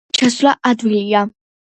პირველ ძაბრში ჩასვლა ადვილია.